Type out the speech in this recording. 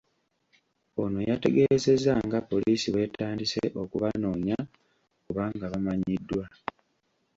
Ono yategeezezza nga poliisi bw'etandise okubanoonya kubanga bamanyiddwa.